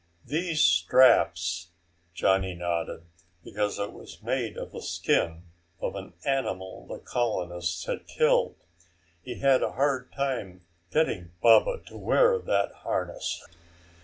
These straps...." Johnny nodded. Because it was made of the skin of an animal the colonists had killed, he had had a hard time getting Baba to wear that harness.